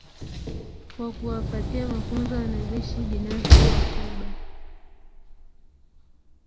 kwa kuwapatia mafunzo wanajeshi binafsi wa Cuba